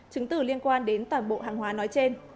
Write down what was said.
chứng tử liên quan đến toàn bộ hàng hóa nói trên